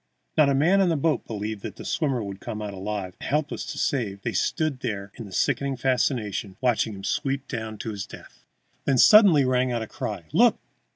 Not a man on the boat believed that the swimmer would come out alive, and, helpless to save, they stood there in sickening fascination, watching him sweep down to his death. Then suddenly rang out a cry: "Look!